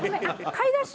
買い出し？